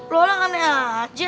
lo orang aneh aja